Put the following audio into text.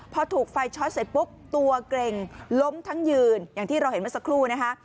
พอถูกไฟช็อตเสร็จปุ๊บตัวเกร็งล้มทั้งยืนอย่างที่เราเห็นเมื่อสักครู่นะคะ